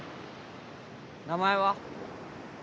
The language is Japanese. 名前は？